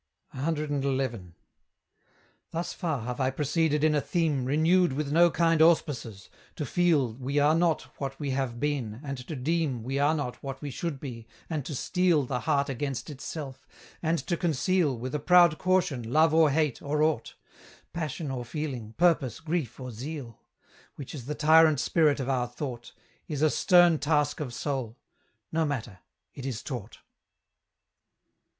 CXI. Thus far have I proceeded in a theme Renewed with no kind auspices: to feel We are not what we have been, and to deem We are not what we should be, and to steel The heart against itself; and to conceal, With a proud caution, love or hate, or aught, Passion or feeling, purpose, grief, or zeal, Which is the tyrant spirit of our thought, Is a stern task of soul: No matter, it is taught.